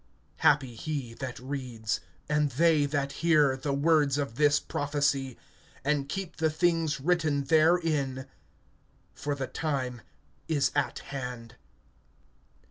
(3)Happy he that reads, and they that hear the words of this prophecy, and keep the things written therein; for the time is at hand.